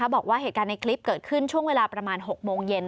บอกว่าเหตุการณ์ในคลิปเกิดขึ้นช่วงเวลาประมาณ๖โมงเย็น